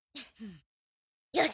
よし！